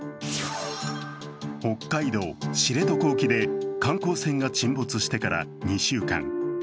北海道知床沖で観光船が沈没してから２週間。